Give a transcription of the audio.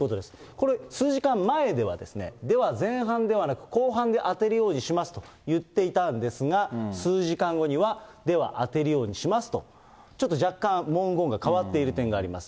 これ、数時間前では、では前半ではなく、後半で当てるようにしますと言っていたんですが、数時間後には、では当てるようにしますと、ちょっと若干、文言が変わっている点があります。